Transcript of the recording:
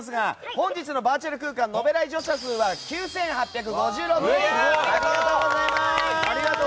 本日のバーチャル空間延べ来場者数は９８５６人でした！